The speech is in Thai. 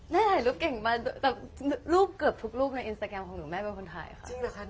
ถ่ายรถเก่งมาแต่รูปเกือบทุกรูปในอินสตาแกรมของหนูแม่เป็นคนถ่ายค่ะ